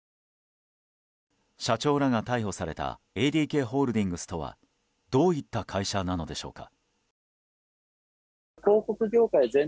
社長らが逮捕されたＡＤＫホールディングスとはどういった会社なのでしょうか。